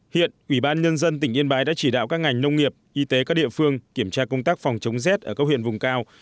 hiện ủy ban nhân dân tỉnh yên bái đã chỉ đạo các ngành nông nghiệp y tế các địa phương kiểm tra công tác phòng chống rét ở các huyện vùng cao